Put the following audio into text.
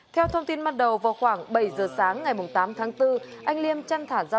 theo thông tin ban đầu vào khoảng bảy giờ sáng ngày tám tháng bốn anh liêm chăn thả ra